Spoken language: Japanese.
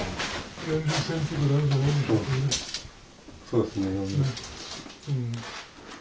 そうですね４０。